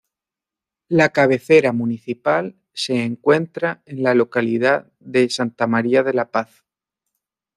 La cabecera municipal se encuentra en la localidad de Santa María de la Paz.